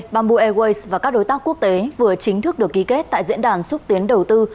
bamboo airways và các đối tác quốc tế vừa chính thức được ký kết tại diễn đàn xúc tiến đầu tư